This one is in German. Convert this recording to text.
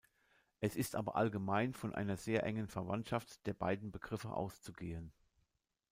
Es ist aber allgemein von einer sehr engen Verwandtschaft der beiden Begriffe auszugehen.